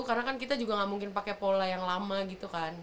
karena kan kita juga gak mungkin pakai pola yang lama gitu kan